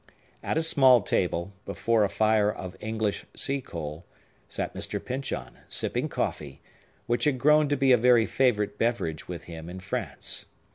At a small table, before a fire of English sea coal, sat Mr. Pyncheon, sipping coffee, which had grown to be a very favorite beverage with him in France.